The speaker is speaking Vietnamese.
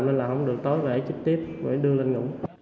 lên làm không được tối về chích tiếp rồi đưa lên ngủ